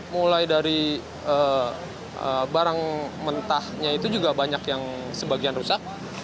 mulai dari barang mentahnya itu juga banyak yang sebagian rusak